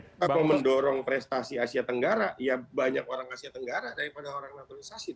kalau mendorong prestasi asia tenggara ya banyak orang asia tenggara daripada orang naturalisasi